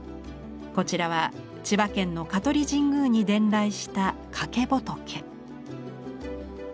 こちらは千葉県の香取神宮に伝来した「懸仏」。